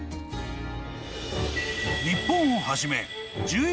［日本をはじめ］